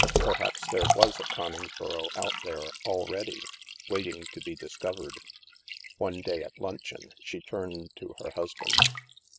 Perhaps there was a Coningsboro out there already, waiting to be discovered. One day at luncheon, she turned to her husband.